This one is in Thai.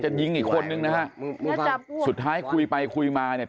ยิงอีกคนนึงนะฮะสุดท้ายคุยไปคุยมาเนี่ย